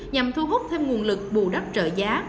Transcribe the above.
nhằm thu hút thêm nguồn lực bù đắp trợ giá